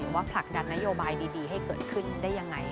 ว่าผลักดันนโยบายดีให้เกิดขึ้นได้ยังไง